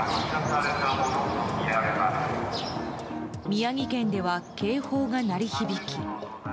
宮城県では警報が鳴り響き。